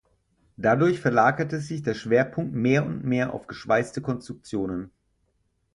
Dadurch verlagerte sich der Schwerpunkt mehr und mehr auf geschweißte Konstruktionen.